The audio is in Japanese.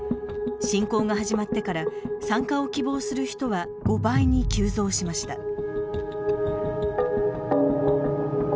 侵攻が始まってから参加を希望する人は５倍に急増しました。